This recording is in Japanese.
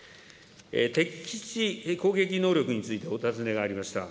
敵基地攻撃能力についてお尋ねがありました。